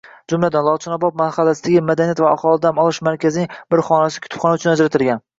Jumladan, “Olchinobod” mahallasidagi Madaniyat va aholi dam olish markazining bir xonasi kutubxona uchun ajratilgan